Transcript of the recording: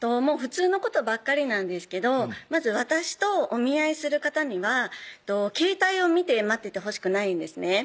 普通のことばっかりなんですけどまず私とお見合いする方には携帯を見て待っててほしくないんですね